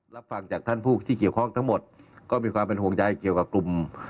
รับฟังจากท่านผู้ที่เกี่ยวข้องทั้งหมดก็มีความเป็นห่วงใจเกี่ยวกับกลุ่ม